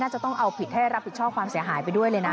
จะต้องเอาผิดให้รับผิดชอบความเสียหายไปด้วยเลยนะ